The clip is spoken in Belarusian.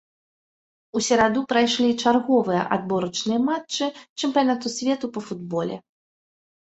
У сераду прайшлі чарговыя адборачныя матчы чэмпіянату свету па футболе.